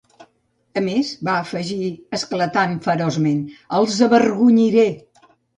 "A més," va afegir, esclatant feroçment, "els avergonyiré".